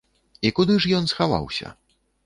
І куды ж ён схаваўся?